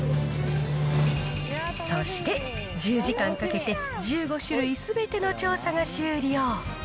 そして、１０時間かけて１５種類すべての調査が終了。